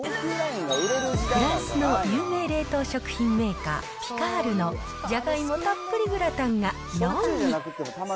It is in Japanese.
フランスの有名冷凍食品メーカー、ピカールのジャガイモたっぷりグラタンが４位。